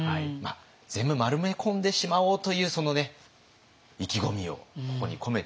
全部丸めこんでしまおうというその意気込みをここに込めてみました。